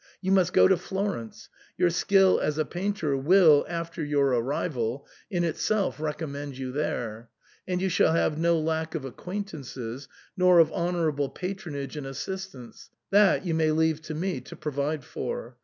You must go to Florence ; your skill as a painter will, after your arrival, in itself rec ommend you there ; and you shall have no lack of acquaintances, nor of honourable patronage and assist ance — that you may leave to me to provide for.